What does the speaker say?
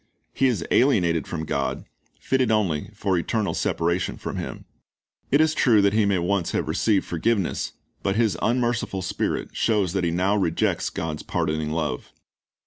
"^ He is alienated from God, fitted only for eternal separation from Him. It is true that he may once have received forgiveness; but his unmerciful spirit shows that he now rejects God's pardoning love.